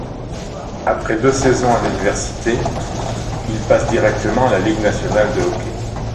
Après deux saisons à l'université, il passe directement à la Ligue nationale de hockey.